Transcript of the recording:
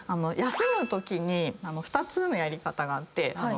休むときに２つのやり方があって。